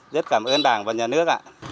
rất cảm ơn đảng và nhà nước